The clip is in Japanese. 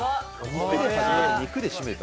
肉で始まり肉で締めた。